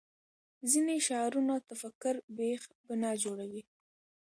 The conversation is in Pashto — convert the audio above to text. ځینې شعارونه تفکر بېخ بنا جوړوي